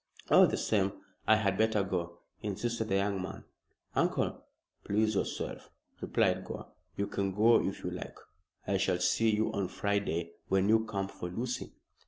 "All the same I had better go," insisted the young man. "Uncle?" "Please yourself," replied Gore. "You can go if you like. I shall see you on Friday when you come for Lucy."